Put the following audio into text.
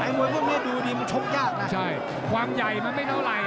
ไอ้มวยพวกเนี้ยดูดิมันชกยากน่ะใช่ความใหญ่มันไม่เท่าไรอ่ะ